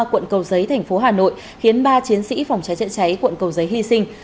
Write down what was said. quận cầu giấy thành phố hà nội khiến ba chiến sĩ phòng cháy chữa cháy quận cầu giấy hy sinh